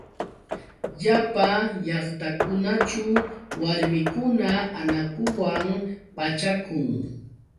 Llapa llaqtakunaćhu warmikuna anakuwan pachakun.